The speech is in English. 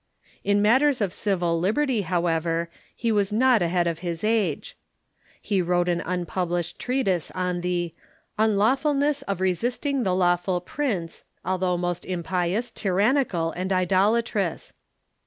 In matters of civil liberty, however, he was not ahead of his age. He wrote an unpublished treatise on the " Unlawful ness of Resisting the Lawful Prince, although most Impious, Tyrannical, and Idolatrous."